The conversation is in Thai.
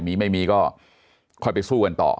มีไม่มีก็ค่อยไปสู้กันต่อ